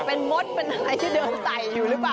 เป็นมดเป็นอะไรที่เดินใส่อยู่หรือเปล่า